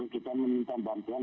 kita meminta bantuan